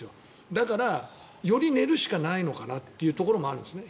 だから、より寝るしかないのかなってところもあるんですね。